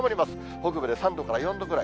北部で３度から４度ぐらい。